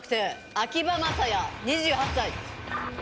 秋葉雅也２８歳。